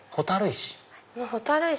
蛍石？